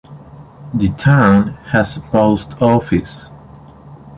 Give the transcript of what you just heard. The town has a post office.